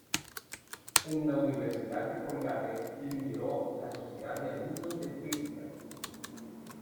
En la Universidad de Colgate lideró la Sociedad de Alumnos de Física.